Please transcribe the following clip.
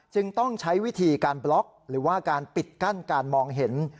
ต้องใช้วิธีการบล็อกหรือว่าการปิดกั้นการมองเห็น